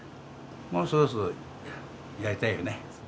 もうそろそろやりたいよね。